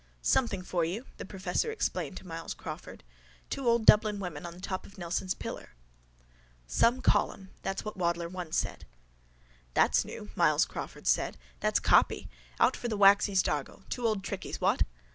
—Something for you, the professor explained to Myles Crawford. Two old Dublin women on the top of Nelson's pillar. SOME COLUMN!—THAT'S WHAT WADDLER ONE SAID —That's new, Myles Crawford said. That's copy. Out for the waxies' Dargle. Two old trickies, what?